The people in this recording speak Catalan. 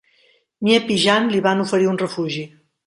Miep i Jan li van oferir n refugi.